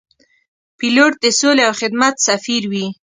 پیلوټ د سولې او خدمت سفیر وي.